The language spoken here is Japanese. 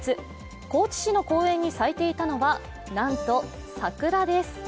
高知市の公園に咲いていたのはなんと桜です。